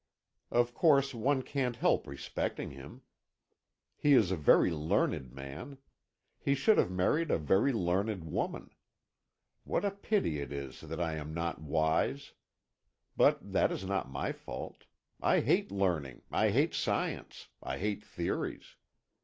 Of course one can't help respecting him. He is a very learned man. He should have married a very learned woman. What a pity it is that I am not wise! But that is not my fault. I hate learning, I hate science, I hate theories.